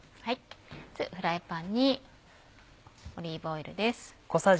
まずフライパンにオリーブオイルです。